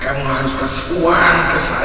kamu harus kasih uang ke saya